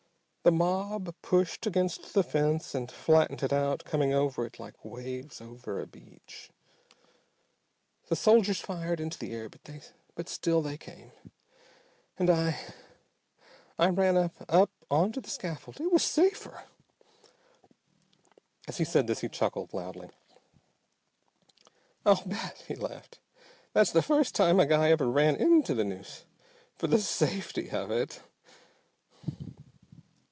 "The mob pushed against the fence and flattened it out, coming over it like waves over a beach. The soldiers fired into the air, but still they came, and I, I ran up, onto the scaffold. It was safer!" As he said this he chuckled loudly. "I'll bet," he laughed, "that's the first time a guy ever ran into the noose for the safety of it!